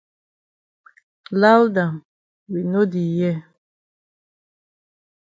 Loud am we no di hear.